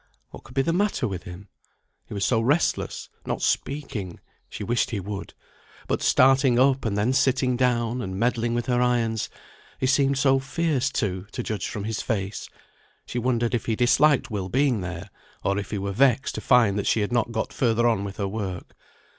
what could be the matter with him? He was so restless; not speaking (she wished he would), but starting up and then sitting down, and meddling with her irons; he seemed so fierce, too, to judge from his face. She wondered if he disliked Will being there; or if he were vexed to find that she had not got further on with her work.